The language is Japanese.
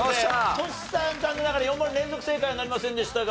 としさん残念ながら４問連続正解はなりませんでしたが。